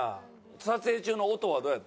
撮影中の音はどうやった？